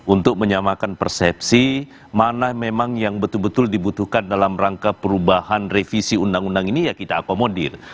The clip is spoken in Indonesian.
untuk menyamakan persepsi mana memang yang betul betul dibutuhkan dalam rangka perubahan revisi undang undang ini ya kita akomodir